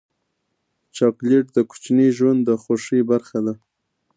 چاکلېټ د کوچني ژوند د خوښۍ برخه ده.